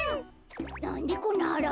なんでこんなはらっぱに？